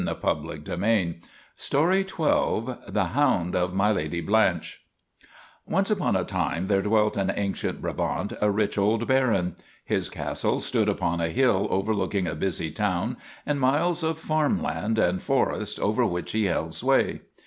THE HOUND OF MY LADY BLANCHE THE HOUND OF MY LADY BLANCHE ONCE upon a time there dwelt in ancient Bra bant a rich old Baron. His castle stood upon a hill overlooking a busy town and miles of farm land and forest over which he held sway.